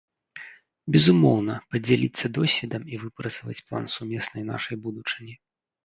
Безумоўна, падзяліцца досведам і выпрацаваць план сумеснай нашай будучыні.